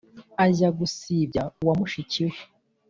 ajya gusibya uwa mushiki we,